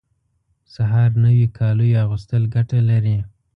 هر سهار نوي کالیو اغوستل ګټه لري